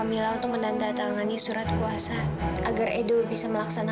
mila dengar aku mila